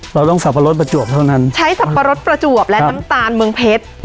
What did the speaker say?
เราต้องสับปะรดประจวบเท่านั้นใช้สับปะรดประจวบและน้ำตาลเมืองเพชร